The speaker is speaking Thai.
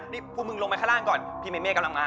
นี่กูลงแบบลงไปข้างล่างก่อน